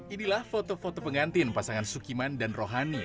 inilah foto foto pengantin pasangan sukiman dan rohani